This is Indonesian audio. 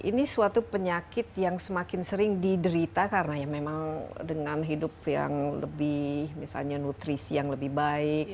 ini suatu penyakit yang semakin sering diderita karena ya memang dengan hidup yang lebih misalnya nutrisi yang lebih baik